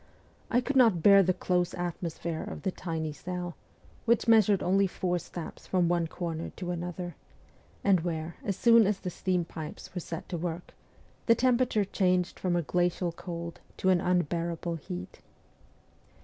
I could not bear the close atmosphere of the tiny cell, which measured only four steps from one corner to another, and where, as soon as the steam pipes were set to work, the tempera ture changed from a glacial cold to an unbearable heat.